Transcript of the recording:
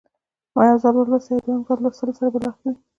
ما یو ځل ولوستی او د دویم ځل لوستلو سره به لا ښه وي.